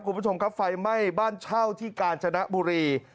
คุณผู้ชมครับไฟไหม้บ้านเช่าที่กาญจนบุรี